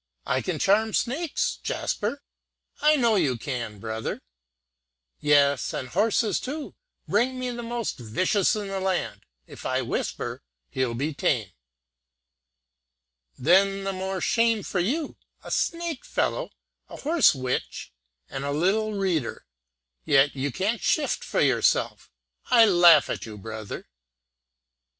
"I can charm snakes, Jasper." "I know you can, brother." "Yes, and horses too; bring me the most vicious in the land, if I whisper he'll be tame." "Then the more shame for you a snake fellow a horse witch and a lil reader yet you can't shift for yourself. I laugh at you, brother!"